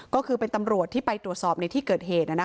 ก็คือเป็นตำรวจที่ไปตรวจสอบในที่เกิดเหตุ